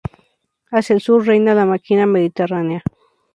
Hacia el sur reina la maquia mediterránea.